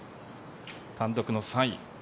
単独の３位。